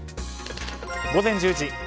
午前１０時。